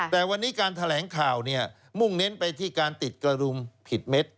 แต่วันนี้การแถลงข่าวเนี่ยมุ่งเน้นไปที่การติดกระดุมผิดเม็ด